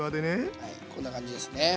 はいこんな感じですね。